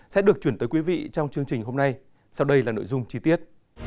sau đây là nội dung chi tiết